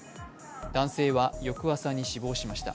男性は翌朝に死亡しました。